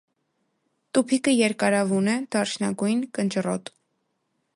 Տուփիկը երկարավուն է, դարչնագույն, կնճռոտ։